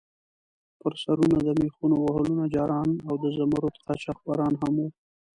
پر سرونو د میخونو وهلو نجاران او د زمُردو قاچاقبران هم وو.